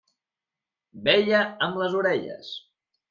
Veia amb les orelles.